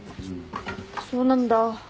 そうなんだ。